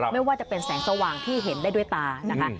ไม่ว่าจะเป็นแสงสว่างที่เห็นได้ด้วยตานะคะ